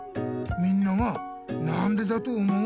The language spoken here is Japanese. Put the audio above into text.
みんなはなんでだと思う？